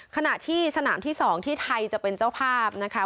ขณะที่สนามที่๒ที่ไทยจะเป็นเจ้าภาพนะคะ